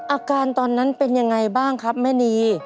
อาการตอนนั้นเป็นยังไงบ้างครับแม่นี